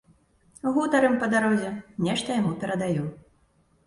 Гутарым па дарозе, нешта яму перадаю.